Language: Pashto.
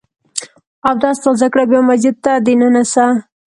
اودس تازه کړه ، بیا مسجد ته دننه سه!